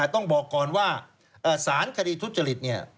ต้องบอกก่อนว่าสารคดีทุจริตเนี่ย